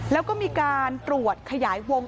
แล้วก็มีการตรวจขยายวง